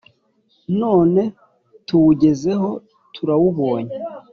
none tuwugezeho, turawubonye!»